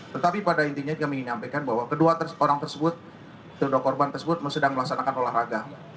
tetapi pada intinya juga ingin menyampaikan bahwa kedua orang tersebut kedua korban tersebut sedang melaksanakan olahraga